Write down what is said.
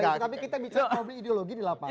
tapi kita bicara problem ideologi di lapangan